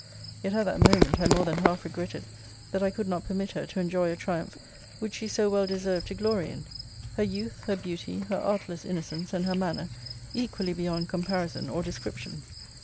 Yet, at that moment, I more than half regretted that I could not permit her to enjoy a triumph which she so well deserved to glory in her youth, her beauty, her artless innocence, and her manner, equally beyond comparison or description.